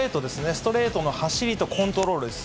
ストレートの走りとコントロールです。